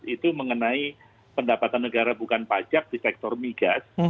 itu mengenai pendapatan negara bukan pajak di sektor migas